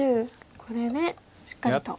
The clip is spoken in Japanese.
これでしっかりと。